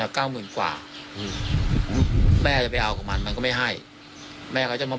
เก้าหมื่นกว่าอืมแม่จะไปเอากับมันมันก็ไม่ให้แม่เขาจะมอบ